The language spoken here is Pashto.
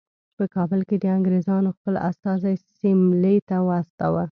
په کابل کې د انګریزانو خپل استازی سیملې ته واستاوه.